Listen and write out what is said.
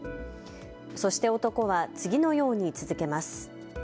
そして、男は次のように続けます。